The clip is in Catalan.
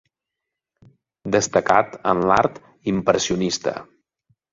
Destacat en l'art impressionista.